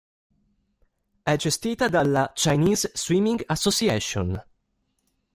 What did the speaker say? È gestita dalla "Chinese Swimming Association".